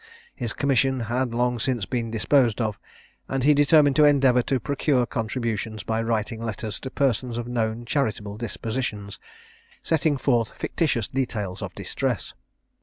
His commission had long since been disposed of, and he determined to endeavour to procure contributions by writing letters to persons of known charitable dispositions, setting forth fictitious details of distress.